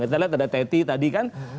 kita lihat ada teti tadi kan